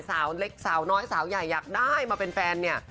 สาวเล็กสาวน้อยสาวใหญ่อยากได้มาเป็นแฟนเนี่ย